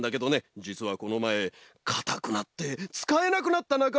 じつはこのまえかたくなってつかえなくなったなかまがいてね。